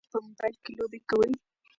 ایا تاسي په موبایل کې لوبې کوئ؟